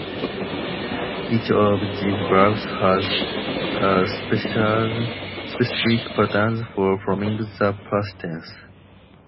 Each of these verbs has a specific pattern for forming the past tense.